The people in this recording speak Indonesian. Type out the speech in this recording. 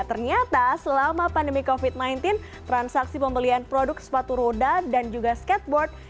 ternyata selama pandemi covid sembilan belas transaksi pembelian produk sepatu roda dan juga skateboard